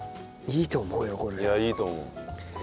いやいいと思う。